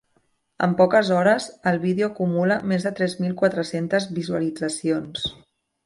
En poques hores, el vídeo acumula més de tres mil quatre-cents visualitzacions.